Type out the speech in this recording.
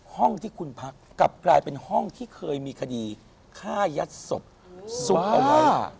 ห้องที่คุณพักกลับกลายเป็นห้องที่เคยมีคดีฆ่ายัดศพซุกเอาไว้